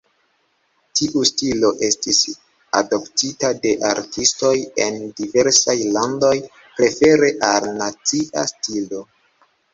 Tiu stilo estis adoptita de artistoj en diversaj landoj, prefere al "nacia" stilo.